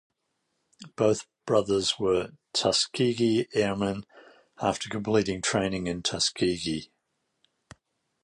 Both brothers were Tuskegee Airmen after completing training in Tuskegee.